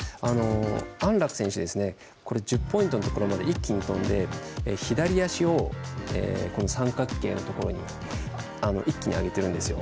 安楽選手１０ポイントのところまで一気に飛んで左足を三角形のところに一気に上げてるんですよ。